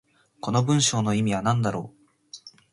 この文章の意味は何だろう。